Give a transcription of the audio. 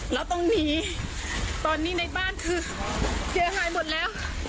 แล้วต้องหนีตอนนี้ในบ้านคือเสียหายหมดแล้ว